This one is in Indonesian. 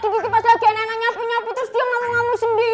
mistaken about hati sebaiknya minta lo nape kan teman teman miringal maganek